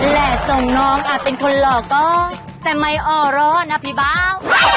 แหละส่งน้องเป็นคนหล่อก็จะไม่อ่อร้อนนะพี่เบา